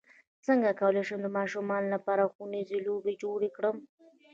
څنګه کولی شم د ماشومانو لپاره ښوونیزې لوبې جوړې کړم